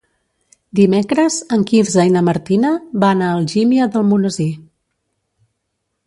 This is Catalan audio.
Dimecres en Quirze i na Martina van a Algímia d'Almonesir.